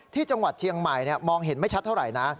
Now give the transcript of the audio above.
ที่จังหวัดเชียงใหม่มองเห็นไม่ชัดเท่าไหร่นะ